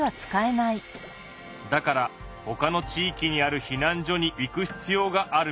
だからほかの地域にある避難所に行く必要があるみたいだな。